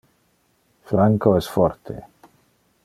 Franco es forte.